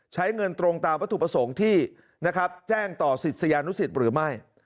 ใช้เงินตรงตามวัตถุประสงค์ที่แจ้งต่อศิษยานุสิตหรือไม่